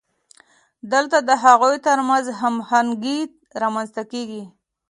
دلته د هغوی ترمنځ هماهنګي رامنځته کیږي.